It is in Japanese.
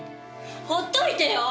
ほっといてよ！